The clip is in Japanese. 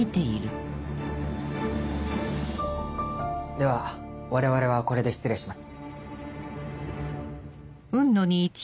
では我々はこれで失礼します。